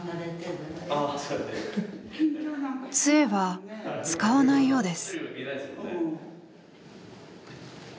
杖は使わないようです。